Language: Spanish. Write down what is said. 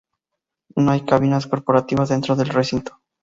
No hay cabinas corporativas dentro del recinto.